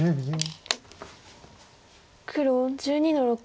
黒１２の六。